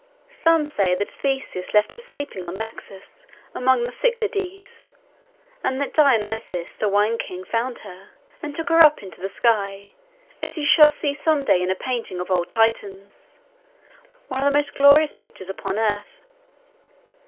Some say that Theseus left her sleeping on Naxos among the Cyclades; and that Dionusos the wine king found her, and took her up into the sky, as you shall see some day in a painting of old Titian's—one of the most glorious pictures upon earth.